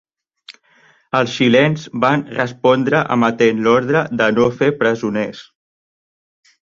Els xilens van respondre emetent l'ordre de no fer presoners.